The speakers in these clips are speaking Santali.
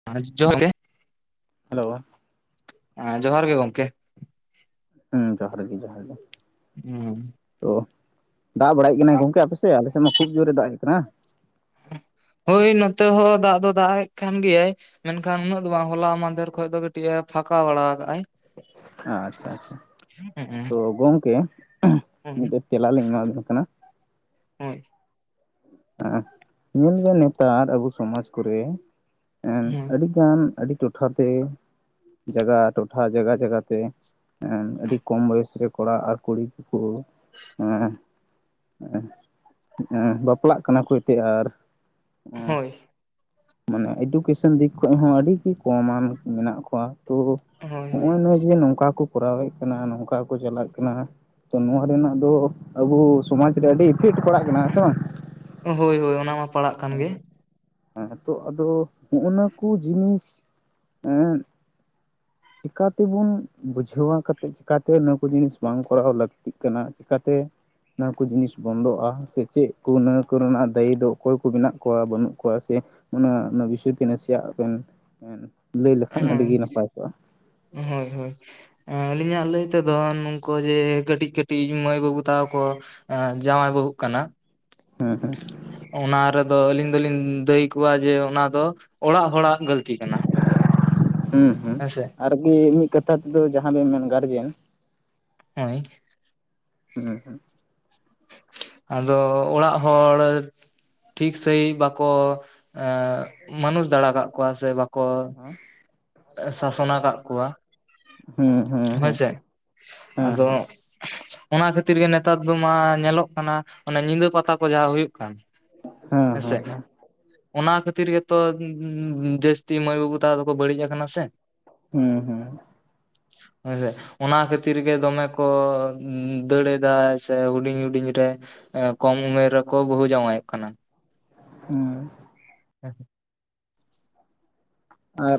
[unintelligible] ᱦᱮᱞᱳ ᱦᱮᱸ ᱡᱚᱦᱟᱨ ᱜᱮ ᱜᱚᱝᱠᱮ ᱦᱩᱸ ᱡᱚᱦᱟᱨ ᱜᱮ ᱡᱚᱦᱟᱨ ᱜᱮ ᱦᱩᱸ ᱛᱚ ᱫᱟᱜ ᱵᱟᱲᱟᱭᱮᱫ ᱠᱟᱱᱟᱹᱭ ᱜᱚᱝᱠᱮ ᱟᱯᱮᱥᱮᱜ ᱟᱞᱮ ᱥᱮᱫ ᱢᱟ ᱠᱷᱩᱵ ᱡᱳᱨᱮ ᱫᱟᱜ ᱦᱮᱡ ᱠᱟᱱᱟ ᱦᱳᱭ ᱱᱚᱛᱮ ᱦᱚᱸ ᱫᱟᱜ ᱫᱚ ᱫᱟᱜ ᱮᱜ ᱠᱟᱱ ᱜᱮᱭᱟᱭ ᱢᱮᱱᱠᱷᱟᱱ ᱩᱱᱟᱹᱜ ᱫᱚ ᱵᱟᱝ ᱦᱚᱞᱟ ᱢᱟᱫᱷᱮᱨ ᱠᱷᱚᱡ ᱫᱚ ᱠᱟᱹᱴᱤᱡ ᱮ ᱯᱷᱟᱸᱠᱟ ᱵᱟᱲᱟ ᱠᱟᱜᱟᱭ ᱟᱪᱷᱟ ᱟᱪᱷᱟ ᱛᱚ ᱜᱚᱝᱠᱮ ᱦᱮᱸ ᱢᱤᱫᱴᱮᱡ ᱛᱮᱞᱟ ᱞᱤᱧ ᱮᱢᱟᱵᱤᱱ ᱠᱟᱱᱟ ᱦᱳᱭ ᱦᱮᱸ ᱧᱮᱞ ᱵᱤᱱ ᱱᱮᱛᱟᱨ ᱟᱵᱚ ᱥᱚᱢᱟᱡᱽ ᱠᱚᱨᱮ ᱦᱳᱭ ᱟᱹᱰᱤ ᱟᱱ ᱟᱹᱰᱤ ᱴᱚᱴᱷᱟ ᱛᱮ ᱡᱟᱜᱟ ᱴᱚᱴᱷᱟ ᱡᱟᱜᱟ ᱡᱟᱜᱟ ᱛᱮ ᱟᱹᱰᱤ ᱠᱚᱢ ᱵᱚᱭᱮᱥ ᱨᱮ ᱠᱚᱲᱟ ᱟᱨ ᱠᱩᱲᱤ ᱠᱩ ᱦᱮᱸ ᱦᱮᱸ ᱦᱮᱸ ᱵᱟᱯᱞᱟᱜ ᱾ ᱠᱟᱱᱟ ᱠᱚ ᱮᱛᱮ ᱟᱨ ᱦᱳᱭ ᱢᱟᱱᱮ ᱮᱰᱩᱠᱮᱥᱚᱱ ᱫᱤᱠ ᱠᱷᱚᱡ ᱦᱚᱸ ᱟᱹᱰᱤ ᱜᱮ ᱠᱚᱢᱟᱱ ᱢᱮᱱᱟᱜ ᱠᱚᱣᱟ ᱛᱚ ᱦᱳᱭ ᱦᱳᱭ ᱱᱚᱜᱼᱚᱭ ᱱᱚᱣᱟ ᱡᱮ ᱱᱚᱝᱠᱟ ᱠᱚ ᱠᱚᱨᱟᱣᱮᱫ ᱠᱟᱱᱟ ᱱᱚᱝᱠᱟ ᱠᱚ ᱪᱟᱞᱟᱜ ᱠᱟᱱᱟ ᱛᱚ ᱱᱚᱣᱟ ᱨᱮᱱᱟᱜ ᱫᱚ ᱟᱵᱚ ᱥᱚᱢᱟᱡ ᱨᱮ ᱟᱹᱰᱤ ᱤᱯᱷᱮᱠᱴ ᱯᱟᱲᱟᱜ ᱠᱟᱱᱟ ᱥᱮ ᱵᱟᱝ ᱦᱳᱭ ᱦᱳᱭ ᱚᱱᱟ ᱢᱟ ᱯᱟᱲᱟᱜ ᱠᱟᱱ ᱜᱮ ᱦᱮᱸ ᱛᱚ ᱟᱫᱚ ᱦᱚᱜᱼᱱᱟ ᱠᱚ ᱡᱤᱱᱤᱥ ᱮᱸᱻ [unintelligible] ᱪᱤᱠᱟᱛᱮᱵᱚᱱ ᱵᱩᱡᱷᱟᱹᱣᱟ ᱠᱟᱛᱮᱫ ᱪᱤᱠᱟᱛᱮ ᱱᱩᱠᱩ ᱡᱤᱱᱤᱥ ᱵᱟᱝ ᱠᱚᱨᱟᱣ ᱞᱟᱹᱠᱛᱤᱜ ᱠᱟᱱᱟ ᱪᱤᱠᱟᱹᱛᱮ ᱚᱱᱟ ᱠᱚ ᱡᱤᱱᱤᱥ ᱵᱚᱱᱫᱚᱜᱼᱟ ᱥᱮ ᱪᱮᱫ ᱠᱚ ᱚᱱᱟ ᱠᱚᱨᱮᱱᱟᱜ ᱫᱟᱭᱤ ᱫᱚ ᱚᱠᱚᱭ ᱠᱚ ᱢᱮᱱᱟᱜ ᱠᱚᱣᱟ ᱵᱟᱹᱱᱩᱜ ᱠᱚᱣᱟ ᱥᱮ ᱚᱱᱟ ᱵᱤᱥᱚᱭ ᱛᱮ ᱱᱟᱥᱮᱭᱟᱜ ᱵᱤᱱ ᱮᱱ ᱞᱟᱹᱭ ᱞᱮᱠᱷᱟᱱ ᱟᱹᱰᱤ ᱦᱳᱭ ᱜᱮ ᱱᱟᱯᱟᱭ ᱠᱚᱜᱼᱟ ᱾ ᱦᱳᱭ ᱦᱳᱭ ᱮᱸ ᱟᱹᱞᱤᱧᱟᱜ ᱞᱟᱹᱭ ᱛᱮᱫᱚ ᱱᱚᱝᱠᱩ ᱡᱮ ᱠᱟᱹᱴᱤᱡ ᱠᱟᱹᱴᱤᱡ ᱢᱟᱹᱭ ᱵᱟᱹᱵᱩ ᱛᱟᱠᱚ ᱠᱚ ᱡᱟᱶᱟᱭ ᱵᱟᱹᱦᱩᱜ ᱠᱟᱱᱟ ᱾ ᱦᱮᱸ ᱦᱮᱸ ᱚᱱᱟ ᱨᱮᱫᱚ ᱟᱹᱞᱤᱧ ᱫᱚᱞᱤᱧ ᱫᱟᱹᱭ ᱠᱚᱣᱟ ᱡᱮ ᱚᱱᱟ ᱫᱚ ᱚᱲᱟᱜ ᱦᱚᱲᱟᱜ ᱜᱟᱞᱛᱤ ᱠᱟᱱᱟ ᱦᱩᱸ ᱦᱮ-ᱥᱮ ᱟᱨᱜᱤ ᱢᱤᱫ ᱠᱟᱛᱷᱟ ᱛᱮᱫᱚ ᱡᱟᱦᱟ ᱵᱮᱱ ᱢᱮᱱ ᱜᱟᱨᱡᱮᱱ ᱦᱳᱭ ᱦᱮᱸ ᱦᱮᱸ ᱟᱫᱚ ᱚᱲᱟᱜ ᱦᱚᱲ ᱴᱷᱤᱠ ᱥᱟᱺᱦᱤᱡ ᱵᱟᱠᱚ ᱮ ᱢᱟᱱᱩᱥ ᱫᱟᱲᱮ ᱠᱟᱜ ᱠᱚᱣᱟ ᱥᱮ ᱵᱟᱠᱚ ᱦᱮᱸ ᱥᱟᱥᱚᱱ ᱠᱟᱜ ᱠᱚᱣᱟ ᱾ ᱦᱩᱸ [inaudible] ᱦᱳᱭ ᱥᱮ ᱦᱮ ᱟᱫᱚ ᱚᱱᱟ ᱠᱷᱟᱹᱛᱤᱨ ᱜᱮ ᱱᱮᱛᱟᱨ ᱫᱚ ᱢᱟ ᱧᱮᱞᱚᱜ ᱠᱟᱱᱟ, ᱚᱱᱮ ᱧᱤᱫᱟ ᱯᱟᱛᱟ ᱠᱚ ᱡᱟᱦᱟᱸ ᱦᱩᱭᱩᱜ ᱠᱟᱱ ᱦᱮᱸ ᱦᱮᱸ ᱥᱮᱻ ᱚᱱᱟ ᱠᱷᱟᱹᱛᱤᱨ ᱜᱮᱛᱚ, ᱡᱟᱹᱥᱛᱤ ᱢᱟᱹᱭ ᱵᱟᱵᱩ ᱛᱟᱠᱚ ᱫᱚᱠᱚ ᱵᱟᱹᱲᱤᱡ ᱠᱟᱱᱟ ᱥᱮ᱾ ᱦᱩᱸᱻᱦᱩᱸᱻ ᱦᱮᱸ ᱚᱱᱟ ᱠᱷᱟᱹᱛᱤᱨ ᱜᱮ ᱫᱚᱢᱮ ᱠᱚ ᱫᱟᱹᱲ ᱮᱫᱟ ᱥᱮ ᱦᱩᱰᱤᱧ ᱦᱩᱰᱤᱧ ᱨᱮ ᱮᱸ ᱠᱚᱢ ᱩᱢᱮᱨ ᱨᱮᱠᱚ ᱵᱟᱹᱦᱩ ᱡᱟᱶᱟᱭᱚᱜ ᱠᱟᱱᱟ ᱾ ᱦᱩᱸ ᱦᱮ [unintelligible] ᱟᱨ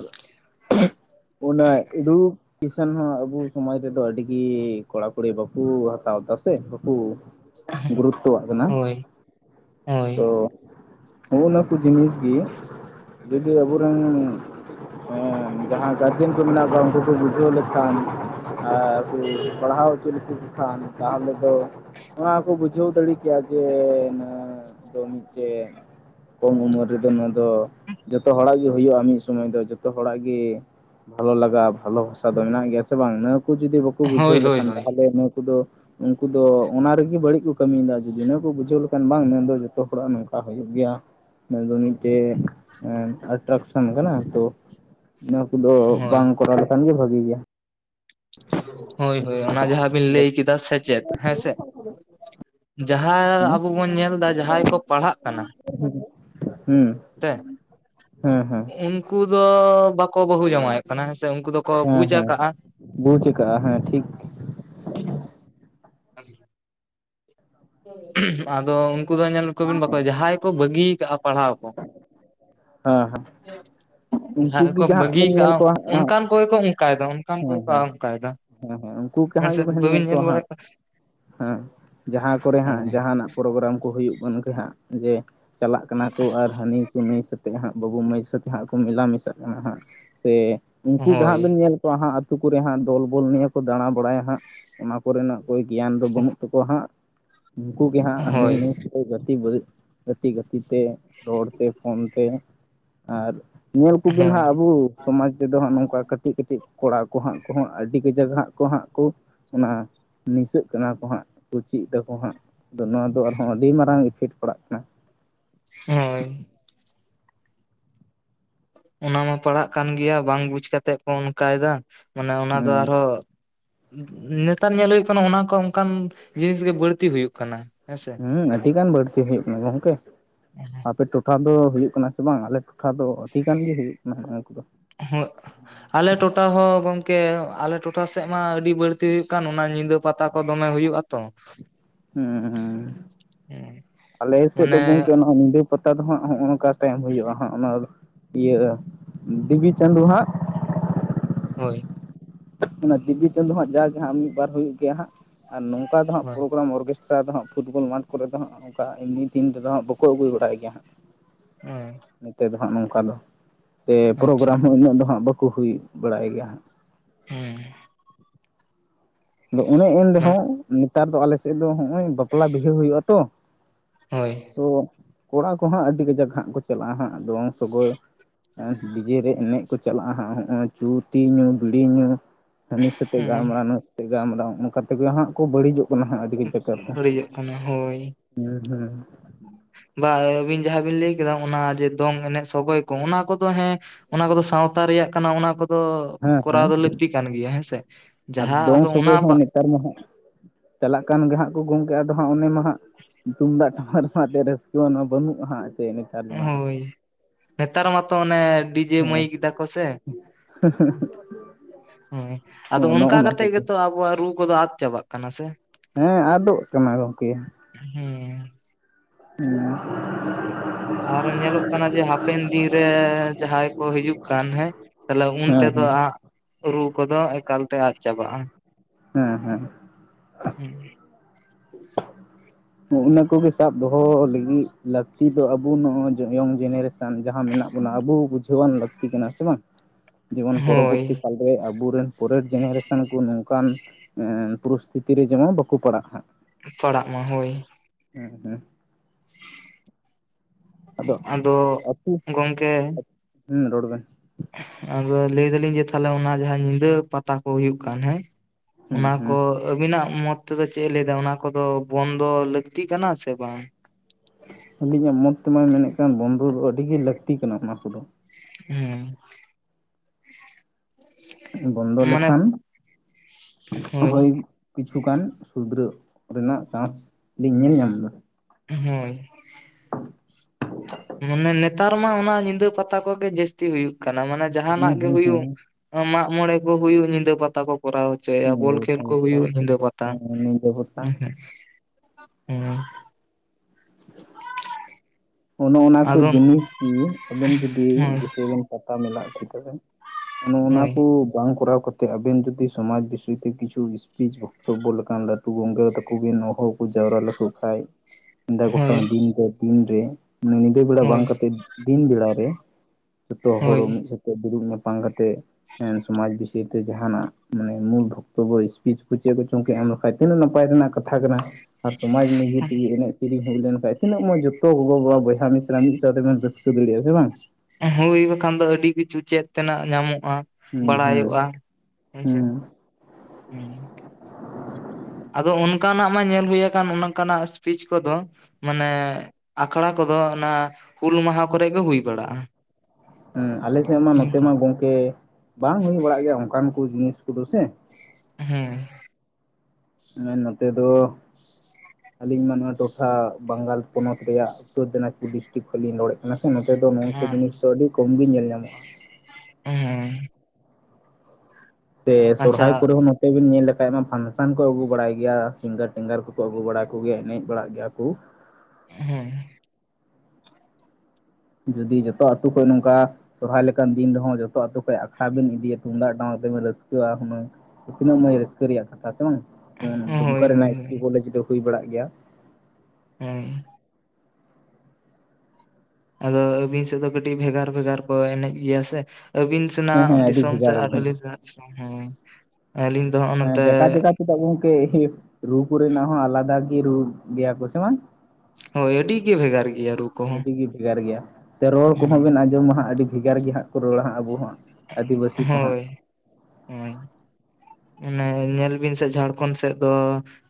ᱚᱱᱟ ᱨᱩᱯ ᱴᱤᱭᱩᱥᱚᱱ ᱦᱚᱸ ᱟᱵᱚ ᱥᱚᱢᱟᱡᱽ ᱨᱮᱫᱚ ᱟᱹᱰᱤᱜᱤ ᱠᱚᱲᱟ ᱠᱩᱲᱤ ᱵᱟᱠᱩ ᱦᱟᱛᱟᱣ ᱫᱟ ᱥᱮ ᱵᱟᱠᱩ ᱜᱩᱨᱩᱛᱚᱣᱟᱜ ᱠᱟᱱᱟ, ᱦᱳᱭ ᱦᱳᱭ ᱛᱚ ᱦᱚᱜᱼᱱᱟ ᱠᱚ ᱡᱤᱱᱤᱥ ᱜᱮ ᱡᱩᱫᱤ ᱟᱵᱚᱨᱮᱱ ᱮ ᱡᱟᱦᱟ ᱜᱟᱨᱡᱮᱱ ᱠᱚ ᱢᱮᱱᱟᱜ ᱠᱚᱣᱟ, ᱩᱱᱠᱩ ᱠᱚ ᱵᱩᱡᱷᱟᱹᱣ ᱞᱮᱠᱷᱟᱱ ᱟᱨ ᱠᱚ ᱯᱟᱲᱦᱟᱣ [unintelligible] ᱛᱟᱦᱚᱞᱮ ᱫᱚ ᱚᱱᱟᱠᱚ ᱵᱩᱡ ᱵᱩᱡᱷᱟᱹᱣ ᱫᱟᱲᱤ ᱠᱮᱭᱟ ᱡᱮ, ᱱᱚᱣᱟ ᱫᱚ ᱢᱤᱫᱴᱮᱜ ᱠᱚᱢ ᱩᱢᱮᱨ ᱨᱮᱫᱚ ᱱᱚᱣᱟ ᱫᱚ, ᱡᱚᱛᱚ ᱦᱚᱲᱟᱜ ᱜᱮ ᱦᱩᱭᱩᱜᱼᱟ, ᱢᱤᱫ ᱥᱚᱢᱚᱭ ᱥᱚᱢᱚᱭ ᱫᱚ ᱡᱚᱛᱚ ᱦᱚᱲᱟᱜ ᱜᱮ, ᱵᱷᱟᱞᱚ ᱞᱟᱜᱟ ᱵᱷᱟᱞᱚ ᱵᱟᱥᱟ ᱫᱚ ᱢᱮᱱᱟᱜ ᱜᱮᱭᱟ, ᱥᱮ ᱵᱟᱝ ᱤᱱᱟ. ᱠᱩ ᱡᱩᱫᱤ ᱠᱚ ᱦᱳᱭ ᱵᱩᱡᱷᱟᱹᱣ ᱦᱳᱭ ᱞᱮᱠᱷᱟᱱ ᱦᱳᱭ ᱛᱟᱦᱚᱞᱮ ᱱᱤᱭᱟᱹ ᱠᱩᱫᱚ ᱩᱱᱠᱩ ᱫᱚ ᱚᱱᱟ ᱨᱮᱜᱮ ᱵᱟᱹᱲᱤᱡ ᱠᱚ ᱠᱟᱹᱢᱤᱭᱮᱫᱟ, ᱡᱩᱫᱤ ᱤᱱᱟᱹᱜ ᱠᱚ ᱵᱩᱡᱷᱟᱹᱣ ᱞᱮᱠᱷᱟᱱ ᱵᱟᱝ ᱢᱮᱱᱫᱚ, ᱡᱷᱚᱛᱚ ᱦᱚᱲᱟᱜ ᱱᱚᱝᱠᱟ ᱦᱩᱭᱩᱜ ᱜᱮᱭᱟ ᱾ ᱚᱱᱟ ᱫᱚ ᱢᱤᱫᱴᱮᱡ ᱮᱴᱨᱟᱠᱥᱚᱱ ᱠᱟᱱᱟ ᱾ ᱛᱚ ᱚᱱᱟ ᱠᱚᱫᱚ ᱦᱳᱭ ᱵᱟᱝ ᱠᱚᱨᱟᱣ ᱞᱮᱠᱷᱟᱱ ᱜᱮ ᱵᱷᱟᱜᱤ ᱜᱮᱭᱟ ᱾ ᱦᱳᱭ ᱦᱳᱭ ᱚᱱᱟ ᱡᱟᱦᱟᱸ ᱵᱤᱱ ᱞᱟᱹᱭ ᱠᱮᱫᱟ ᱥᱮᱪᱮᱫ ᱦᱮᱸ ᱥᱮ ᱾ ᱡᱟᱦᱟᱸ ᱦᱮᱸ ᱟᱵᱚ ᱵᱚᱱ ᱧᱮᱞ ᱫᱟ, ᱡᱟᱦᱟᱸᱭ ᱠᱚ ᱯᱟᱲᱦᱟᱜ ᱠᱟᱱᱟ ᱦᱩᱸ ᱦᱮ ᱩᱱᱠᱩ ᱫᱚ ᱵᱟᱠᱚ ᱵᱟᱹᱦᱩ ᱡᱟᱶᱟᱭᱚᱜ ᱠᱟᱱᱟ, ᱦᱮᱸᱥᱮ ᱩᱱᱠᱩ ᱫᱚᱠᱚ ᱦᱮᱸ ᱵᱩᱡ ᱦᱮᱸ ᱟᱠᱟᱜᱼᱟ ᱾ ᱵᱩᱡ ᱟᱠᱟᱜᱼᱟ ᱦᱮᱸ ᱴᱷᱤᱠ ᱦᱟ [inaudible] ᱟᱫᱚ ᱩᱱᱠᱩ ᱫᱚ ᱧᱮᱞ ᱠᱚᱵᱤᱱ ᱵᱟᱠᱚ ᱡᱟᱦᱟᱸᱭ ᱠᱚ ᱵᱟᱹᱜᱤ ᱠᱟᱜᱼᱟ ᱯᱟᱲᱦᱟᱣ ᱠᱚ ᱦᱮᱸᱻᱦᱮᱸᱻ᱾ ᱡᱟᱦᱟᱸᱭ ᱠᱚ ᱵᱟᱹᱜᱤᱭ ᱠᱟᱜᱼᱟ ᱚᱱᱠᱟᱱ ᱠᱚᱜᱮ ᱠᱚ ᱚᱱᱠᱟᱭ ᱫᱟ ᱾ ᱦᱮᱸᱻᱦᱮᱸᱻᱦᱮᱸᱻᱦᱮᱸ, ᱩᱱᱠᱩ ᱜᱮ ᱦᱟᱸᱜ ᱦᱮᱸᱥᱮ ᱵᱟᱹᱵᱤᱱ ᱧᱮᱞ ᱠᱚᱣᱟ ᱦᱟᱸᱜ ᱵᱟᱲᱟᱭᱮᱫ ᱦᱮᱸ ᱡᱟᱦᱟᱸ ᱠᱚᱨᱮ ᱦᱟᱸᱜ ᱠᱚᱣᱟ ᱡᱟᱦᱟᱱᱟᱜ ᱯᱨᱳᱜᱨᱟᱢ ᱠᱚ ᱦᱩᱭᱩᱜ ᱠᱟᱱ ᱜᱮ ᱦᱟᱸᱜ ᱡᱮ ᱪᱟᱞᱟᱜ ᱠᱟᱱᱟ ᱠᱩ ᱟᱨ ᱦᱟᱹᱱᱤ ᱠᱩ ᱱᱟᱹᱭ ᱥᱟᱛᱮᱜ ᱦᱟᱸᱜ ᱵᱟᱹᱵᱩ ᱢᱟᱹᱭ ᱥᱟᱛᱮ ᱦᱟᱸᱜ ᱠᱚ ᱢᱮᱞᱟ ᱢᱮᱥᱟᱜ ᱠᱟᱱᱟ ᱦᱟᱸᱜ ᱥᱮ ᱩᱱᱠᱩ ᱜᱮ ᱦᱟᱸᱜ ᱵᱮᱱ ᱦᱳᱭ ᱧᱮᱞ ᱠᱚᱣᱟ, ᱦᱟᱸᱜ ᱟᱛᱩ ᱠᱚᱨᱮ ᱦᱟᱸᱜ ᱫᱚᱞ ᱵᱚᱞ ᱱᱤᱭᱟᱹ ᱠᱚ ᱫᱟᱸᱬᱟ ᱵᱟᱲᱟᱭᱟ ᱦᱟᱸᱜ ᱚᱱᱟ ᱠᱚᱨᱮᱱᱟᱜ ᱠᱳᱭ ᱜᱮᱭᱟᱱ ᱫᱚ ᱵᱟᱹᱱᱩᱜ ᱛᱟᱠᱚᱣᱟ ᱦᱟᱸᱜ, ᱩᱱᱠᱩ ᱜᱮ ᱦᱟᱸᱜ ᱦᱳᱭ ᱦᱟᱹᱱᱤ ᱱᱟ. ᱭ ᱜᱟᱛᱤ ᱵᱟᱹᱲᱤ ᱜᱟᱛᱤ ᱜᱟᱛᱤ ᱛᱮ ᱨᱚᱲ ᱛᱮ ᱯᱷᱳᱱ ᱛᱮ ᱟᱨ ᱧᱮᱞ ᱠᱚᱵᱤᱱ ᱦᱳᱭ ᱦᱟᱸᱜ ᱟᱵᱚ ᱥᱚᱢᱟᱡᱽ ᱨᱮᱫᱚ, ᱦᱟᱸᱜ ᱱᱚᱝᱠᱟ ᱠᱟᱹᱴᱤᱡ ᱠᱟᱹᱴᱤᱡ ᱠᱚᱲᱟ ᱠᱚ ᱦᱟᱸᱜ ᱠᱚᱦᱚᱸ ᱟᱹᱰᱤ ᱠᱟᱡᱟᱠ ᱦᱟᱸᱜ ᱠᱚ ᱦᱟᱸᱜ ᱠᱩ ᱚᱱᱟ ᱱᱤᱥᱟᱹᱜ ᱠᱟᱱᱟ ᱠᱚ ᱦᱟᱸᱜ ᱠᱚ ᱪᱮᱫ ᱫᱟᱠᱚ ᱦᱟᱸᱜ ᱟᱫᱚ ᱱᱚᱣᱟ ᱫᱚ ᱟᱨᱦᱚᱸ ᱟᱹᱰᱤ ᱢᱟᱨᱟᱝ ᱤᱯᱷᱮᱠᱴ ᱯᱟᱲᱟᱜ ᱠᱟᱱᱟ ᱾ ᱦᱳᱭ ᱚᱱᱟ ᱢᱟ ᱯᱟᱲᱟᱜ ᱠᱟᱱ ᱜᱮᱭᱟ ᱵᱟᱝ ᱵᱩᱡᱽ ᱠᱟᱛᱮᱜ ᱠᱚ ᱚᱱᱠᱟᱭᱫᱟ, ᱢᱟᱱᱮ ᱚᱱᱟ ᱫᱚ ᱦᱩᱸ ᱟᱨᱦᱚᱸ ᱱᱮᱛᱟᱨ ᱧᱮᱞ ᱦᱩᱭᱩᱜ ᱠᱟᱱᱟ ᱚᱱᱟ ᱠᱚ ᱚᱱᱠᱟᱱ ᱡᱤᱱᱤᱥᱜᱮ ᱵᱟᱹᱲᱛᱤ ᱦᱩᱭᱩᱜ ᱠᱟᱱᱟ ᱾ ᱦᱩᱸ ᱟᱹᱰᱤ ᱜᱟᱱ ᱵᱟᱹᱲᱛᱤ ᱦᱩᱭᱩᱜ ᱠᱟᱱᱟ ᱜᱚᱝᱠᱮ ᱟᱯᱮ ᱴᱩ ᱴᱚᱴᱷᱟ ᱫᱚ ᱦᱩᱭᱩᱜ ᱠᱟᱱᱟ ᱥᱮ ᱵᱟᱝ? ᱟᱞᱮ ᱴᱚᱴᱷᱟ ᱫᱚ ᱟᱹᱰᱤ ᱜᱟᱱ ᱜᱮ ᱦᱩᱭᱩᱜ ᱠᱟᱱᱟ, ᱤᱱᱟᱹ ᱠᱚᱫᱚ ᱾ ᱦᱸᱻ [unintelligible] ᱟᱞᱮ ᱴᱚᱴᱷᱟ ᱦᱚᱸ ᱜᱚᱢᱠᱮ ᱟᱞᱮ ᱴᱚᱴᱷᱟ ᱥᱮᱜ ᱢᱟ ᱟᱹᱰᱤ ᱵᱟᱹᱲᱛᱤ ᱦᱩᱭᱩᱜ ᱠᱟᱱ ᱚᱱᱟ ᱧᱤᱫᱟᱹ ᱯᱟᱛᱟ ᱠᱚ᱾ ᱠᱚ ᱫᱚᱢᱮ ᱦᱩᱭᱩᱜᱼᱟ ᱛᱚ᱾ ᱦᱩᱸᱻ [unintelligible] ᱟᱞᱮ ᱥᱮᱫ ᱢᱟᱱᱮ ᱫᱚ ᱜᱚᱝᱠᱮ [unintelligible] ᱯᱟᱛᱟ ᱫᱚ ᱦᱟᱸᱜ ᱦᱚᱸᱜ-ᱚ ᱱᱚᱝᱠᱟ ᱛᱟᱸᱦᱮ ᱦᱩᱭᱩᱜ-ᱟ ᱦᱟᱸᱜ ᱚᱱᱟ ᱤᱭᱟᱹ ᱫᱮᱵᱤ ᱪᱟᱸᱫᱩ ᱦᱟᱸᱜ᱾ ᱦᱳᱭ ᱚᱱᱟ ᱫᱮᱵᱤ ᱪᱟᱸᱫᱚ ᱦᱟᱜ ᱡᱟᱜᱮ ᱦᱟᱸᱜ ᱢᱤᱫ ᱵᱟᱨ ᱦᱩᱭᱩᱜ ᱜᱮᱭᱟ ᱦᱟᱸᱜ ᱟᱨ ᱱᱚᱝᱠᱟ ᱫᱚ ᱦᱟᱸᱜ ᱦᱳᱭ ᱯᱨᱳᱜᱨᱟᱢ ᱚᱨᱜᱮᱥ ᱫᱚ ᱦᱟᱜ ᱯᱷᱩᱴᱵᱚᱞ ᱢᱟᱴᱷ ᱠᱚᱨᱮ ᱫᱚ ᱦᱟᱜ ᱚᱱᱠᱟ ᱮᱢᱱᱤ ᱫᱤᱱ ᱨᱮᱫᱚ ᱵᱟᱠᱚ ᱟᱹᱜᱩ ᱵᱟᱲᱟᱭ ᱜᱮᱭᱟ ᱦᱟᱸᱜ ᱦᱳᱭ ᱱᱚᱛᱮ ᱫᱚ ᱦᱟᱸᱜ ᱱᱚᱝᱠᱟ ᱫᱚ᱾ ᱥᱮ ᱟᱪᱪᱷᱟ ᱯᱨᱳᱜᱨᱟᱢ ᱦᱚᱸ ᱩᱱᱟᱹᱜ ᱫᱚ ᱦᱟᱸᱜ ᱵᱟᱠᱚ ᱦᱩᱭ ᱵᱟᱲᱟᱭ ᱜᱮᱭᱟ ᱦᱟᱸᱜ᱾ ᱦᱮᱸ ᱟᱫᱚ ᱚᱱᱮ ᱮᱱ ᱢᱟᱱᱮ ᱨᱮᱦᱚᱸ ᱱᱮᱛᱟᱨ ᱫᱚ ᱟᱞᱮ ᱥᱮᱫ ᱫᱚ ᱱᱚᱜ-ᱚᱭ ᱵᱟᱯᱞᱟ ᱵᱤᱦᱟᱹ ᱦᱩᱭᱩᱜ-ᱟ ᱛᱚ᱾ ᱦᱳᱭ ᱛᱚ ᱠᱚᱲᱟ ᱠᱚᱦᱟᱸᱜ ᱟᱹᱰᱤ ᱠᱟᱡᱟᱠ ᱦᱟᱸᱜ ᱠᱚ ᱪᱟᱞᱟᱜ-ᱟ ᱦᱟᱸᱜ ᱫᱚᱝ ᱥᱚᱜᱚᱭ᱾ ᱰᱤᱡᱮ ᱨᱮ ᱮᱱᱮᱡ ᱠᱚ ᱪᱟᱞᱟᱜᱼᱟ ᱦᱟᱸᱜ ᱱᱚᱼᱚᱭ ᱪᱩᱼᱴᱤ ᱧᱩ ᱵᱤᱲᱤ ᱧᱩ ᱦᱟᱱᱤ ᱥᱟᱛᱮᱜ ᱦᱮᱸ ᱜᱟᱞᱢᱟᱨᱟ ᱱᱩᱭ ᱥᱟᱛᱮᱜ ᱜᱟᱞᱢᱟᱨᱟᱣ ᱚᱱᱠᱟ ᱛᱮᱜᱮ ᱦᱟᱸᱜ ᱠᱚ ᱵᱟᱹᱲᱤᱡᱚᱜ ᱵᱟᱹᱲᱤᱡᱚᱜ ᱠᱟᱱᱟ ᱦᱳᱭ [unintelligible] ᱵᱟ ᱟᱹᱵᱤᱱ ᱡᱟᱦᱟᱸ ᱵᱤᱱ ᱞᱟᱹᱭ ᱠᱮᱫᱟ ᱚᱱᱟ ᱡᱮ ᱫᱚᱝ ᱮᱱᱮᱡ ᱥᱚᱜᱚᱭ ᱠᱚ ᱚᱱᱟ ᱠᱚᱫᱚ ᱦᱮᱸ ᱚᱱᱟ ᱠᱚᱫᱚ ᱥᱟᱶᱛᱟ ᱨᱮᱭᱟᱜ ᱠᱟᱱᱟ ᱚᱱᱟ ᱠᱚᱫᱚ ᱦᱮᱸ ᱠᱚᱨᱟᱣ ᱦᱮᱸ ᱫᱚ ᱞᱟᱹᱠᱛᱤ ᱠᱟᱱ ᱜᱮᱭᱟ ᱦᱮᱸᱥᱮ ᱟᱨ ᱡᱟᱦᱟᱸ ᱫᱚᱝ ᱟᱫᱚ ᱚᱱᱟ ᱥᱚᱜᱚᱭ ᱦᱚᱸ ᱱᱮᱛᱟᱨ ᱢᱟ ᱦᱟᱸᱜ ᱪᱟᱞᱟᱜ ᱠᱟᱱ ᱜᱮ ᱦᱟᱸᱜ ᱠᱚ ᱜᱚᱢᱠᱮ ᱟᱫᱚ ᱦᱟᱸᱜ ᱚᱱᱮ ᱢᱟ ᱦᱟᱸᱜ ᱛᱩᱢᱫᱟᱜ ᱴᱟᱢᱟᱠ ᱨᱮᱢᱟ ᱮᱱᱮᱡ ᱨᱟᱹᱥᱠᱟᱹ ᱵᱟᱹᱱᱩᱜ-ᱟᱦᱟᱜ ᱦᱳᱭ, ᱱᱮᱛᱟᱨ ᱢᱟᱛᱚ ᱚᱱᱮ ᱰᱤᱡᱮ ᱢᱟᱹᱭᱤᱠ ᱫᱟᱠᱚ ᱥᱮ, ᱦᱳᱸᱭ ᱟᱫᱚ ᱦᱮᱸ ᱚᱱᱠᱟ ᱱᱚᱜᱼᱚ ᱱᱟ ᱠᱟᱛᱮ ᱠᱚᱜᱮ ᱜᱮᱛᱚ ᱟᱵᱚᱣᱟᱜ ᱨᱩ ᱠᱚᱫᱚ ᱟᱫ ᱪᱟᱵᱟᱜ ᱠᱟᱱᱟ ᱥᱮ, ᱦᱮᱸ ᱟᱫᱚᱜ ᱠᱟᱱᱟ ᱜᱚᱢᱠᱮ᱾ ᱦᱮᱸ ᱦᱮᱸ ᱟᱨ ᱧᱮᱞᱚᱜ ᱠᱟᱱᱟ ᱡᱮ ᱦᱟᱯᱮᱱ ᱫᱤᱱᱨᱮ ᱡᱟᱦᱟᱸᱭ ᱠᱚ ᱦᱤᱡᱩᱜ ᱠᱟᱱ ᱦᱮᱸ ᱛᱟᱦᱞᱮ ᱩᱱ ᱦᱮᱸ ᱛᱮᱫᱚ ᱦᱮᱸ ᱟᱜ ᱨᱩ ᱠᱚᱫᱚ ᱮᱠᱟᱞᱛᱮ ᱟᱫ ᱪᱟᱵᱟᱜ-ᱟ᱾ ᱦᱮᱸ ᱦᱮᱸ ᱦᱮᱸ ᱱᱚᱜ-ᱱᱟ ᱠᱚᱜᱮ ᱥᱟᱵ ᱫᱚᱦᱚ ᱞᱟᱹᱜᱤᱫ ᱞᱟᱹᱠᱛᱤ ᱫᱚ ᱟᱵᱚ ᱤᱭᱚᱝ ᱡᱮᱱᱮᱨᱮᱥᱚᱱ ᱡᱟᱦᱟᱸ ᱢᱮᱱᱟᱜ ᱵᱚᱱᱟ ᱟᱵᱚ ᱵᱩᱡᱷᱟᱹᱣᱟᱱ ᱞᱟᱹᱠᱛᱤ ᱠᱟᱱᱟ ᱥᱮ ᱵᱟᱝ ᱡᱮᱢᱚᱱ ᱦᱳᱭ ᱯᱚᱨᱚᱵᱚᱨᱛᱤ ᱠᱟᱞ ᱟᱵᱚᱨᱮᱱ ᱯᱚᱨᱮᱨ ᱡᱮᱱᱟᱨᱮᱥᱚᱱ ᱠᱚ ᱱᱚᱝᱠᱟᱱ ᱯᱚᱨᱤᱥᱛᱷᱤᱛᱤ ᱨᱮ ᱡᱮᱢᱚᱱ ᱵᱟᱠᱚ ᱯᱟᱲᱟᱜ-ᱦᱟᱸᱜ᱾ ᱯᱟᱲᱟᱜ ᱢᱟ ᱦᱳᱭ ᱦᱮᱸ ᱦᱮᱸ ᱟᱫᱚ ᱟᱹᱛᱩ ᱜᱚᱝᱠᱮ ᱦᱩᱸ ᱨᱚᱲ ᱵᱮᱱ ᱟᱫᱚ ᱞᱟᱹᱭ ᱫᱟᱞᱤᱧ ᱡᱮ ᱛᱟᱦᱚᱞᱮ ᱚᱱᱟ ᱡᱟᱦᱟᱸ ᱧᱤᱫᱟᱹ ᱯᱟᱛᱟ ᱠᱚ ᱦᱩᱭᱩᱜ ᱠᱟᱱ ᱦᱮᱸ ᱦᱩᱸ ᱚᱱᱟ ᱦᱩᱸ ᱠᱚ ᱟᱹᱵᱤᱱᱟᱜ ᱢᱚᱛ ᱛᱮᱫᱚ ᱪᱮᱫ ᱮ ᱞᱟᱹᱭ ᱮᱫᱟ ᱚᱱᱟ ᱠᱚᱫᱚ ᱵᱚᱱᱫᱚ ᱞᱟᱹᱠᱛᱤ ᱠᱟᱱᱟ ᱥᱮ ᱵᱟᱝ? ᱟᱹᱞᱤᱧᱟᱜ ᱢᱚᱛ ᱛᱮᱢᱟᱭ ᱢᱮᱱᱮᱫ ᱠᱟᱱ ᱵᱚᱱᱫᱷᱩ ᱫᱚ ᱟᱹᱰᱤ ᱜᱮ ᱞᱟᱹᱠᱛᱤ ᱠᱟᱱᱟ ᱚᱱᱟ ᱠᱚᱫᱚ᱾ ᱦᱮᱸ ᱵᱚᱱᱫᱚ ᱢᱟᱱᱮ ᱞᱮᱠᱷᱟᱱ, ᱦᱳᱭ ᱠᱤᱪᱷᱩᱜᱟᱱ ᱥᱩᱫᱷᱨᱟᱹᱜ ᱨᱮᱱᱟᱜ ᱪᱟᱱᱥ ᱞᱤᱧ ᱧᱮᱞ ᱧᱟᱢ ᱮᱫᱟ᱾ ᱦᱳᱭ ᱢᱟᱱᱮ ᱱᱮᱛᱟᱨ ᱢᱟ ᱚᱱᱟ ᱧᱤᱫᱟᱹ ᱯᱟᱛᱟ ᱠᱚᱜᱮ ᱡᱟᱹᱥᱛᱤ ᱦᱩᱭᱩᱜ ᱠᱟᱱᱟ, ᱢᱟᱱᱮ ᱦᱩᱸ ᱡᱟᱦᱟᱱᱟᱜ ᱜᱮ ᱦᱩᱸ ᱦᱩᱸ ᱦᱩᱭᱩᱜ᱾ ᱢᱟᱜ ᱢᱚᱬᱮ ᱠᱚ ᱦᱩᱭᱩᱜ ᱧᱤᱫᱟᱹ ᱯᱟᱛᱟ ᱠᱚ ᱠᱚᱨᱟᱣ ᱦᱚᱪᱚ ᱱᱤᱡᱮ ᱵᱚᱞ ᱠᱷᱮᱞ ᱵᱟᱛᱟᱞ ᱠᱚ ᱠᱚᱨᱟᱣ ᱦᱩᱭᱩᱜ ᱩᱪᱤᱛ ᱧᱤᱫᱟᱹ ᱯᱟᱛᱟ᱾ ᱦᱮᱸ ᱱᱤᱡᱮ ᱵᱷᱚᱨᱥᱟ [unintelligible] ᱚᱱᱮ ᱚᱱᱟ ᱠᱚ ᱟᱫᱚ ᱡᱤᱱᱤᱥ ᱜᱮ ᱟᱵᱮᱱ ᱡᱩᱫᱤ ᱦᱳᱭ ᱫᱤᱥᱟᱹᱭ ᱵᱮᱱ ᱯᱟᱛᱟ ᱢᱮᱞᱟ ᱦᱚᱪᱚᱭ ᱛᱟᱵᱮᱱ ᱚᱱᱮ ᱚᱱᱟ ᱦᱳᱭ ᱠᱚ ᱵᱟᱝ ᱠᱚᱨᱟᱣ ᱠᱟᱛᱮ ᱟᱵᱮᱱ ᱡᱩᱫᱤ ᱥᱚᱢᱟᱡᱽ ᱵᱤᱥᱚᱭ ᱛᱮ ᱠᱤᱪᱷᱩ ᱤᱥᱯᱤᱪ ᱵᱚᱠᱛᱚᱵᱵᱚ ᱞᱮᱠᱟᱱ ᱞᱟᱹᱴᱩ ᱜᱚᱝᱠᱮ ᱛᱟᱠᱚ ᱵᱮᱱ ᱦᱚᱦᱚ ᱡᱟᱣᱨᱟ ᱞᱮᱠᱚ ᱠᱷᱟᱡᱽ ᱧᱤᱫᱟ ᱦᱳᱭ ᱜᱚᱴᱟᱝ ᱫᱤᱱ ᱫᱚ ᱫᱤᱱᱨᱮ ᱢᱟᱱᱮ ᱧᱤᱫᱟᱹ ᱵᱮᱲᱟ ᱵᱟᱝ ᱦᱳᱭ ᱠᱟᱛᱮᱜ ᱫᱤᱱ ᱵᱮᱲᱟ ᱨᱮ ᱡᱚᱛᱚ ᱦᱚᱲ ᱦᱳᱭ ᱢᱤᱫ ᱥᱟᱛᱮᱜ ᱫᱩᱲᱩᱵ ᱧᱟᱯᱟᱢ ᱠᱟᱛᱮᱫ ᱥᱚᱢᱟᱡᱽ ᱵᱤᱥᱚᱭ ᱛᱮ ᱡᱟᱦᱟᱱᱟᱜ ᱢᱟᱱᱮ ᱢᱩᱞ ᱵᱚᱠᱛᱚᱵᱵᱚ ᱤᱥᱯᱤᱡ ᱠᱚ ᱪᱮᱫ ᱠᱚ ᱪᱚᱝᱠᱮᱜ ᱟᱢ ᱼᱼ ᱛᱤᱱᱟᱹᱜ ᱱᱟᱯᱟᱭ ᱨᱮᱱᱟᱜ ᱠᱟᱛᱷᱟ ᱠᱟᱱᱟ ᱾ ᱟᱨ ᱥᱚᱢᱟᱡᱽ ᱱᱤᱡᱮ ᱛᱮᱜᱮ ᱮᱱᱮᱡ ᱥᱮᱨᱮᱧ ᱦᱩᱭ ᱞᱮᱱᱠᱷᱟᱱ ᱛᱤᱱᱟᱹᱜ ᱢᱚᱡᱽ ᱡᱚᱛᱚ ᱜᱚᱜᱚ-ᱵᱟᱵᱟ ᱵᱚᱭᱦᱟ ᱢᱤᱥᱨᱟ ᱢᱤᱫ ᱥᱟᱶ ᱛᱮᱵᱚᱱ ᱨᱟᱹᱥᱠᱟᱹ ᱫᱟᱲᱤᱭᱟᱜᱼᱟ ᱥᱮ ᱵᱟᱝ? ᱦᱩᱭ ᱵᱟᱠᱷᱟᱱ ᱫᱚ ᱟᱹᱰᱤ ᱠᱤᱪᱷᱩ ᱪᱮᱫ ᱛᱮᱱᱟᱜ ᱧᱟᱢᱚᱜᱼᱟ ᱾ ᱦᱩᱸ ᱦᱩᱸ ᱵᱟᱲᱟᱭᱚᱜᱼᱟ ᱾ ᱦᱮᱸᱥᱮ ᱦᱩᱸ ᱟᱫᱚ ᱚᱱᱠᱟᱱᱟᱜ ᱢᱟ ᱧᱮᱞ ᱦᱩᱭ ᱟᱠᱟᱱ ᱚᱱᱠᱟᱱᱟᱜ ᱥᱯᱤᱪ ᱠᱚᱫᱚ ᱢᱟᱱᱮ ᱟᱠᱷᱲᱟ ᱠᱚᱫᱚ ᱚᱱᱟ ᱦᱩᱞ ᱢᱟᱦᱟ, ᱠᱚᱨᱮ ᱜᱮ ᱦᱩᱭ ᱵᱟᱲᱟᱜᱼᱟ ᱾ ᱦᱩᱸ ᱟᱞᱮ ᱥᱮᱜ ᱢᱟ ᱱᱚᱛᱮ ᱢᱟ ᱜᱚᱝᱠᱮ ᱵᱟᱝ ᱦᱩᱭ ᱵᱟᱲᱟᱜ ᱜᱮᱭᱟ ᱚᱱᱠᱟᱱ ᱠᱚ ᱡᱤᱱᱤᱥ ᱠᱚᱫᱚ ᱥᱮ ᱦᱩᱸ ᱢᱮᱱ ᱱᱚᱛᱮ ᱫᱚ ᱟᱹᱞᱤᱧ ᱢᱟ ᱱᱚᱣᱟ ᱴᱚᱴᱷᱟ ᱵᱟᱝᱜᱟᱞ ᱯᱚᱱᱚᱛ ᱨᱮᱭᱟᱜ ᱩᱛᱛᱚᱨ ᱫᱤᱱᱟᱡᱽᱯᱩᱨ ᱰᱤᱥᱴᱤᱠ ᱠᱷᱚᱱ ᱞᱤᱧ ᱨᱚᱲᱮᱫ ᱠᱟᱱᱟ ᱾ ᱚᱱᱟ ᱛᱮᱫᱚ ᱱᱚᱣᱟ ᱠᱚ ᱦᱮᱸ ᱡᱤᱱᱤᱥ ᱫᱚ ᱟᱹᱰᱤ ᱠᱚᱢ ᱜᱮ ᱧᱮᱞ ᱧᱟᱢᱚᱜᱼᱟ ᱾ [unintelligible] ᱛᱮ ᱟᱪᱪᱷᱟ ᱥᱚᱨᱦᱟᱭ ᱠᱚᱨᱮ ᱦᱚᱸ ᱱᱚ ᱱᱚᱛᱮ ᱵᱤᱱ ᱧᱮᱞ ᱞᱮᱠᱷᱟᱭ ᱢᱟ ᱯᱷᱟᱱᱥᱟᱱ ᱠᱚ ᱟᱹᱜᱩ ᱵᱟᱲᱟᱭ ᱜᱮᱭᱟ ᱥᱤᱝᱜᱟᱨ ᱴᱤᱝᱜᱟᱨ ᱠᱚᱠᱚ ᱟᱹᱜᱩ ᱵᱟᱲᱟ ᱠᱚᱜᱮ ᱮᱱᱮᱡ ᱵᱟᱲᱟᱜ ᱜᱮᱭᱟ ᱠᱩ ᱾ ᱦᱩᱸᱜ ᱾ ᱡᱩᱫᱤ ᱡᱚᱛᱚ ᱟᱹᱛᱩ ᱠᱚ ᱱᱚᱝᱠᱟᱜᱼᱟ ᱾ ᱥᱚᱨᱦᱟᱭᱚᱜ ᱞᱮᱠᱟᱱ ᱫᱤᱱ ᱨᱮᱦᱚᱸ ᱡᱚᱛᱚ ᱟᱛᱳ ᱠᱷᱚᱭᱟᱜ ᱟᱠᱷᱟᱲᱟ ᱵᱤᱱ ᱤᱫᱤᱭᱟ ᱛᱩᱢᱫᱟᱜ ᱴᱟᱢᱟᱠ ᱛᱮᱵᱤᱱ ᱨᱟᱹᱥᱠᱟᱹᱜᱼᱟ ᱦᱩᱱᱟᱹᱝ ᱾ ᱛᱤᱱᱟᱹᱜ ᱢᱚᱸᱡᱽ ᱨᱟᱹᱥᱠᱟᱹ ᱨᱮᱭᱟᱜ ᱠᱟᱛᱷᱟ ᱥᱮ ᱵᱟᱝ ᱰᱩᱢᱠᱟᱹ ᱦᱳᱭ ᱨᱮᱱᱟᱜ ᱦᱳᱭ ᱮᱥ ᱦᱳᱭ ᱠᱤ ᱠᱚᱞᱮᱡᱽ ᱫᱚ ᱦᱩᱭ ᱵᱟᱲᱟᱜ ᱜᱮᱭᱟ ᱾ ᱦᱩᱸ ᱾ ᱟᱫᱚ ᱟᱹᱵᱤᱱ ᱥᱮᱫ ᱫᱚ ᱠᱟᱹᱴᱤᱡ ᱵᱷᱮᱜᱟᱨ ᱵᱷᱮᱜᱟᱨ ᱠᱚ ᱮᱱᱮᱡ ᱜᱮᱭᱟ ᱥᱮ ᱟᱹᱵᱤᱱ ᱦᱮᱸ ᱱᱟᱜ ᱦᱮᱸ ᱟᱹᱰᱤ ᱫᱤᱥᱚᱢ ᱥᱮ ᱵᱷᱮᱜᱟᱨ ᱟᱨ ᱜᱮ ᱟᱹᱞᱤᱧ ᱥᱮᱱᱟᱜ ᱫᱤᱥᱚᱢ ᱦᱚᱸ ᱟᱹᱞᱤᱧ ᱫᱚᱜ ᱦᱮᱸ ᱡᱮᱠᱟ ᱡᱮᱠᱟ ᱛᱮᱫᱚ ᱜᱚᱝᱠᱮ ᱨᱩ ᱠᱚᱨᱮᱱᱟᱜ ᱦᱚᱸ ᱟᱞᱟᱫᱟ ᱜᱮ ᱨᱩ ᱜᱮᱭᱟ ᱠᱚ ᱥᱮ ᱵᱟᱝ? ᱦᱳᱭ ᱟᱹᱰᱤ ᱜᱮ ᱵᱷᱮᱜᱟᱨ ᱜᱮᱭᱟ ᱨᱩ ᱠᱚᱦᱚᱸ ᱟᱹᱰᱤ ᱜᱮ ᱵᱷᱮᱜᱟᱨ ᱜᱮᱭᱟ ᱥᱮ ᱨᱚᱲ ᱠᱚᱦᱚᱸ ᱦᱮᱸ ᱵᱚᱱ ᱟᱸᱡᱚᱢᱟ ᱦᱟᱸᱜ ᱟᱹᱰᱤ ᱵᱷᱮᱜᱟᱨ ᱜᱮ ᱦᱟᱸᱜ ᱠᱚ ᱨᱚᱲᱟ ᱦᱟᱸᱜ ᱟᱵᱚ ᱦᱟᱸᱜ ᱟᱹᱫᱤᱵᱟᱹᱥᱤ [unintelligible] ᱠᱚ ᱦᱳᱭ ᱾ [inaudible] ᱚᱱᱮ ᱧᱮᱞ ᱵᱤᱱ ᱥᱮᱫ ᱡᱷᱟᱲᱠᱷᱚᱸᱱᱰ ᱥᱮᱫ ᱫᱚ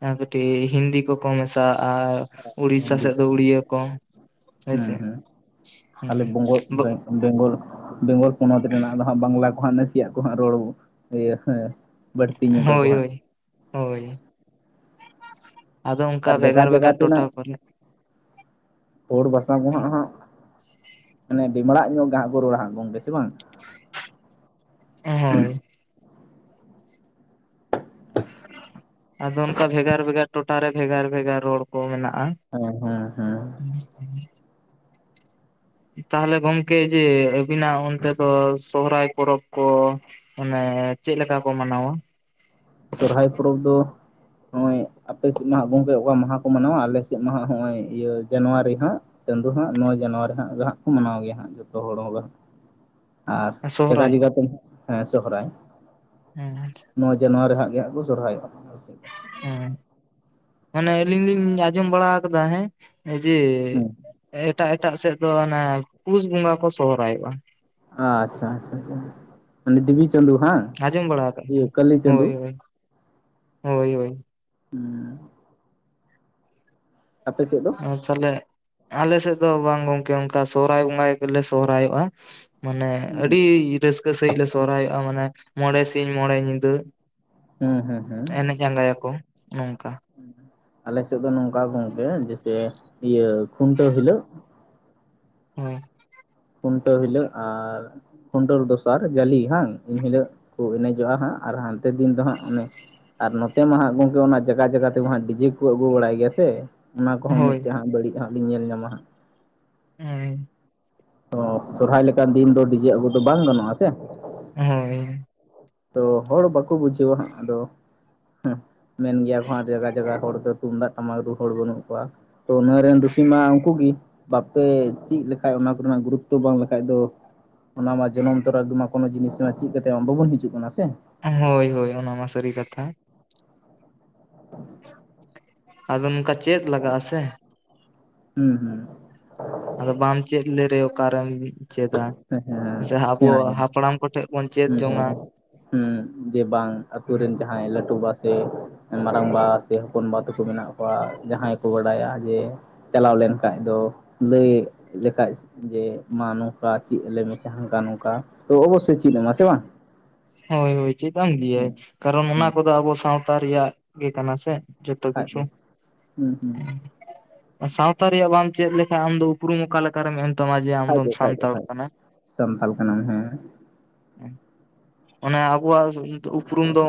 ᱮᱸ ᱠᱟᱹᱴᱤᱡ ᱦᱤᱱᱫᱤ ᱠᱚᱠᱚ ᱢᱮᱥᱟᱜᱼᱟᱻ ᱾ ᱩᱲᱤᱥᱟ ᱦᱤᱱᱫᱤ ᱥᱮᱫ ᱫᱚ ᱩᱲᱤᱭᱟᱹ ᱠᱚ ᱦᱳᱭ ᱦᱩᱸ ᱥᱮ ᱦᱩᱸ ᱟᱞᱮ ᱵᱚᱝᱜᱚᱞ [unintelligible] ᱵᱮᱝᱜᱚᱞ ᱵᱮᱝᱜᱚᱞ ᱯᱚᱱᱚᱛ ᱨᱮᱱᱟᱜ ᱫᱚ ᱦᱟᱸᱜ ᱵᱟᱝᱞᱟ ᱠᱚ ᱦᱟᱸᱜ ᱱᱟᱥᱤᱭᱟᱹᱜ ᱠᱚ ᱦᱟᱸᱜ ᱨᱚᱲᱚ ᱤᱭᱟᱹ ᱦᱮᱸ ᱾ ᱦᱳᱭ ᱦᱳᱭ ᱦᱳᱭ [inaudible] ᱟᱫᱚ ᱚᱱᱠᱟ ᱟᱨ ᱵᱷᱮᱜᱟᱨ ᱡᱟᱭᱜᱟ ᱡᱟᱭᱜᱟ ᱵᱷᱮᱜᱟᱨ ᱛᱮᱱᱟᱜ ᱴᱚᱴᱷᱟ ᱯᱟᱞᱮᱫ? ᱦᱚᱲ ᱵᱟᱥᱟ ᱜᱚᱸ ᱦᱟᱸᱜ ᱦᱟᱸᱜ ᱾ ᱢᱟᱱᱮ ᱵᱮᱢᱲᱟᱜ ᱧᱚᱜ ᱜᱮᱦᱟᱸᱜ ᱠᱚ ᱨᱚᱲᱟ ᱦᱟᱸᱜ ᱜᱚᱝᱠᱮ ᱥᱮ ᱵᱟᱝ? [inaudible] ᱦᱳᱭ ᱾ [inaudible] ᱟᱫᱚ ᱚᱱᱠᱟ ᱵᱷᱮᱜᱟᱨ ᱵᱷᱮᱜᱟᱨ ᱴᱚᱴᱷᱟ ᱨᱮ ᱵᱷᱮᱜᱟᱨ ᱵᱷᱮᱜᱟᱨ ᱨᱚᱲ ᱠᱚ ᱢᱮᱱᱟᱜᱼᱟ ᱾ [unintelligible] [unintelligible] ᱛᱟᱦᱚᱞᱮ ᱜᱚᱝᱠᱮ ᱡᱮ ᱟᱹᱵᱤᱱᱟᱜ ᱚᱱᱛᱮ ᱫᱚ ᱥᱚᱦᱚᱨᱟᱭ ᱯᱚᱨᱚᱵᱽ ᱠᱚ ᱾ ᱚᱱᱮ ᱪᱮᱫ ᱞᱮᱠᱟ ᱠᱚ ᱢᱟᱱᱟᱣᱟ? ᱥᱚᱨᱚᱦᱟᱭ ᱯᱚᱨᱚᱵᱽ ᱫᱚ ᱱᱚᱜᱼᱚᱭ ᱟᱯᱮᱥᱮᱫ ᱢᱟᱦᱟᱜ ᱜᱚᱝᱠᱮ ᱚᱠᱟ ᱢᱟᱦᱟ ᱠᱚ ᱢᱟᱱᱟᱣᱟ ᱟᱞᱮ ᱥᱮᱫ ᱢᱟᱦᱟ ᱱᱚᱜᱼᱚᱭ ᱤᱭᱟᱹ ᱡᱟᱱᱩᱣᱟᱨᱤ ᱦᱟᱸᱜ ᱪᱟᱸᱫᱳ ᱦᱟᱸᱜ ᱱᱚᱜᱼᱚᱭ ᱡᱟᱱᱩᱣᱟᱨᱤ ᱦᱟᱸᱜ ᱜᱮ ᱦᱟᱸᱜ ᱠᱚ ᱢᱟᱱᱟᱣ ᱜᱮᱭᱟ ᱦᱟᱸᱜ ᱡᱚᱛᱚ ᱦᱚᱲ ᱦᱳᱜᱟ ᱾ ᱟᱨ ᱡᱮᱜᱟ ᱥᱚᱦᱨᱟᱭ ᱡᱮᱜᱟ ᱛᱮ ᱦᱮᱸ ᱥᱚᱨᱦᱟᱭ ᱾ ᱦᱮᱸ [unintelligible] ᱟᱪᱷᱟ ᱾ ᱱᱚᱣᱟ ᱡᱮ ᱱᱣᱟᱨᱮ ᱦᱟᱸᱜ ᱜᱮ ᱦᱟᱸᱜ ᱠᱚ ᱥᱚᱨᱦᱟᱭᱚᱜᱼᱟ᱾ [inaudible] ᱢᱟᱱᱮ ᱟᱹᱞᱤᱧ ᱞᱤᱧ ᱟᱸᱡᱚᱢ ᱵᱟᱲᱟ ᱟᱠᱟᱫᱟ ᱦᱮᱸ᱾ ᱮᱡᱤ ᱦᱮᱸ ᱮᱴᱟᱜ ᱮᱴᱟᱜ ᱥᱮᱫ ᱫᱚ ᱚᱱᱟ ᱯᱩᱥ ᱵᱚᱸᱜᱟ ᱠᱚ ᱥᱚᱦᱨᱟᱭᱚᱜᱼᱟ᱾ ᱟᱪᱪᱷᱟ ᱟᱪᱪᱷᱟ ᱢᱟᱱᱮ ᱫᱤᱵᱤ ᱪᱟᱸᱫᱩ ᱦᱟᱸᱜ ᱾ ᱟᱡᱚᱢ ᱵᱲᱟ ᱠᱟᱜ ᱤᱧ ᱦᱚᱭ ᱦᱚᱭ ᱦᱚᱭ ᱦᱚᱭ ᱾ ᱦᱟᱸ ᱾ ᱟᱯᱮ ᱥᱮᱫ ᱫᱚ ᱾ ᱟᱪᱪᱷᱟ ᱟᱞᱮ ᱟᱞᱮ ᱥᱮᱫ ᱫᱚ ᱵᱟᱝ ᱜᱚᱝᱠᱮ ᱚᱱᱠᱟ ᱥᱚᱦᱚᱨᱟᱭ ᱵᱚᱸᱜᱟ ᱜᱮᱞᱮ ᱥᱚᱦᱨᱟᱭᱚᱜᱼᱟ ᱾ ᱢᱟᱱᱮ ᱟᱹᱰᱤ ᱨᱟᱹᱥᱠᱟᱹ ᱥᱟᱺᱦᱤᱡ ᱞᱮ ᱥᱚᱦᱨᱟᱭᱚᱜᱼᱟ ᱢᱟᱱᱮ ᱢᱚᱬᱮ ᱥᱤᱧ ᱢᱚᱬᱮ ᱧᱤᱫᱟᱹ ᱦᱮᱸ ᱦᱮᱸ ᱦᱮᱸ ᱾ ᱮᱱᱮᱡ ᱡᱟᱸᱜᱟᱭᱟ ᱠᱚ ᱱᱚᱝᱠᱟ ᱾ ᱟᱞᱮ ᱥᱮᱫ ᱫᱚ ᱱᱚᱝᱠᱟ ᱜᱚᱝᱠᱮ ᱡᱮᱭᱥᱮ ᱤᱭᱟᱹ ᱠᱷᱩᱱᱴᱟᱹᱣ ᱦᱤᱞᱳᱜ ᱾ ᱦᱩᱸ ᱾ ᱠᱷᱩᱱᱴᱟᱹᱣ ᱦᱤᱞᱳᱜ ᱟᱨ ᱾ ᱠᱷᱩᱱᱴᱟᱹᱣ ᱫᱚᱥᱟᱨ ᱡᱟᱞᱤ ᱦᱟᱸᱝ ᱮᱱᱦᱤᱞᱳᱜ ᱠᱚ ᱮᱱᱮᱡᱚᱜᱼᱟ ᱦᱟᱸᱜ ᱟᱨ ᱦᱟᱱᱛᱮ ᱫᱤᱱ ᱫᱚ ᱦᱟᱸᱜ ᱚᱱᱮ ᱾ ᱟᱨ ᱱᱚᱛᱮ ᱢᱟ ᱦᱟᱸᱜ ᱜᱚᱝᱠᱮ ᱚᱱᱟ ᱡᱟᱜᱟ ᱡᱟᱜᱟ ᱛᱮ ᱦᱟᱸᱜ ᱰᱤᱡᱮ ᱠᱚ ᱟᱹᱜᱩ ᱵᱟᱲᱟᱭ ᱜᱮᱭᱟ ᱥᱮ ᱚᱱᱟ ᱠᱚᱦᱚᱸ ᱦᱳᱭ ᱢᱤᱫᱛᱮ ᱦᱟᱸᱜ ᱵᱟᱹᱲᱤᱡ ᱦᱟᱸᱜ ᱵᱤᱧ ᱧᱮᱞ ᱧᱟᱢᱟ ᱦᱟᱸᱜ᱾ ᱚᱸᱧᱡ [unintelligible] ᱚ ᱥᱚᱨᱦᱟᱭ ᱞᱮᱠᱟᱱ ᱫᱤᱱ ᱫᱚ ᱰᱤᱡᱮ ᱟᱹᱜᱩ ᱫᱚ ᱵᱟᱝ ᱜᱟᱱᱚᱜᱼᱟ ᱥᱮ ᱾ ᱦᱳᱭ ᱾ ᱛᱚ ᱦᱚᱲ ᱵᱟᱠᱚ ᱵᱩᱡᱷᱟᱹᱣᱟ ᱦᱟᱸᱜ ᱟᱫᱚ ᱾ ᱦᱮ ᱢᱮᱱ ᱜᱮᱭᱟ ᱠᱚ ᱟᱨ ᱡᱟᱭᱜᱟ ᱡᱟᱭᱜᱟ ᱦᱚᱲ ᱫᱚ ᱛᱩᱢᱫᱟᱜ ᱴᱟᱢᱟᱠ ᱨᱩ ᱦᱚᱲ ᱵᱟᱹᱱᱩᱜ ᱠᱚᱣᱟ ᱾ ᱛᱚ ᱱᱚᱣᱟ ᱨᱮᱱ ᱫᱩᱥᱤ ᱢᱟ ᱩᱱᱠᱩ ᱜᱮ ᱵᱟᱠᱩ ᱪᱮᱫ ᱞᱮᱠᱷᱟᱡ ᱚᱱᱟ ᱠᱚᱨᱮᱱᱟᱜ ᱜᱩᱨᱩᱛᱛᱚ ᱵᱟᱝ ᱞᱮᱠᱷᱟᱡ ᱫᱚ ᱾ ᱚᱱᱟ ᱢᱟ ᱡᱚᱱᱚᱢ ᱛᱚᱨᱟᱢᱟ ᱠᱳᱱᱚ ᱡᱤᱱᱤᱥ ᱪᱮᱫ ᱠᱟᱛᱮ ᱢᱟ ᱵᱟᱵᱚᱱ ᱦᱤᱡᱩᱜ ᱠᱟᱱᱟ ᱥᱮ ᱾ ᱦᱳᱭ ᱦᱳᱭ ᱚᱱᱟᱢᱟ ᱥᱟᱹᱨᱤ ᱠᱟᱛᱷᱟ ᱾ ᱟᱫᱚ ᱱᱚᱝᱠᱟ ᱪᱮᱫ ᱞᱟᱜᱟᱜ -ᱟ ᱥᱮ ᱾ ᱦᱩᱸ ᱦᱩᱸ᱾ ᱟᱫᱚ ᱵᱟᱟᱢ ᱪᱮᱫ ᱞᱮᱨᱮ ᱠᱟᱨᱚᱱ ᱾ ᱪᱮᱫᱟ ᱦᱮᱸ ᱦᱮᱸ ᱥᱮ ᱟᱵᱚ ᱥᱮᱬᱟᱭᱟ ᱦᱟᱯᱲᱟᱢ ᱠᱚᱴᱷᱮᱱ ᱵᱚᱱ ᱪᱮᱫ ᱡᱚᱝᱼᱟ ᱾ ᱦᱮᱸ ᱡᱮ ᱵᱟᱝ ᱟᱛᱳ ᱨᱮᱱ ᱡᱟᱦᱟᱸᱭ ᱞᱟᱹᱴᱩ ᱵᱟᱥᱮ ᱾ ᱢᱟᱨᱟᱝ ᱵᱟ ᱥᱮ ᱦᱚᱯᱚᱱ ᱵᱟ ᱛᱟᱠᱚ ᱢᱮᱱᱟᱜ ᱠᱚᱣᱟ ᱡᱟᱦᱟᱸᱭ ᱠᱚ ᱵᱟᱰᱟᱭᱟ ᱡᱮ ᱾ ᱪᱟᱞᱟᱣ ᱞᱮᱱᱠᱟᱱᱡ ᱫᱚ ᱞᱟᱹᱭ ᱞᱮᱠᱷᱟ ᱡᱮ ᱢᱟ ᱱᱚᱣᱟ ᱾ ᱠᱟ ᱪᱮᱫ ᱟᱞᱮ ᱢᱮᱥᱮ ᱦᱟᱱᱠᱟ ᱱᱚᱝᱠᱟ ᱛᱚ ᱚᱵᱚᱥᱥᱳᱭ ᱪᱮᱫ ᱟᱢᱟ ᱥᱮ ᱵᱟᱝ ᱾ ᱦᱳᱭ ᱦᱳᱭ ᱪᱮᱫ ᱮᱢ ᱜᱮᱭᱟ ᱠᱟᱨᱚᱱ ᱚᱱᱟ ᱦᱮᱸ ᱠᱚᱫᱚ ᱟᱵᱚ ᱥᱟᱶᱛᱟ ᱨᱮᱭᱟᱜ ᱜᱮ ᱠᱟᱱᱟ ᱥᱮ ᱾ ᱡᱚᱛ ᱠᱷᱟᱡ ᱠᱤᱪᱩ ᱫᱚ ᱦᱩᱸ ᱦᱩᱸ ᱥᱟᱶᱛᱟ ᱨᱮᱭᱟᱜ ᱵᱟᱢ ᱪᱮᱫ ᱞᱮᱠᱷᱟᱱᱡ ᱟᱢ ᱫᱚ ᱩᱯᱨᱩᱢ ᱚᱠᱟ ᱞᱮᱠᱟ ᱾ ᱚᱠᱟᱨᱮ ᱢᱮᱱ ᱛᱟᱢᱟ ᱡᱮ ᱟᱢ ᱠᱷᱟᱡ ᱫᱚᱢ ᱥᱟᱱᱛᱟᱲ ᱠᱟᱱᱟ ᱾ ᱦᱩᱸ ᱾ ᱚᱱᱮ ᱟᱵᱚᱣᱟᱜ ᱩᱯᱨᱩᱢ ᱫᱚ ᱾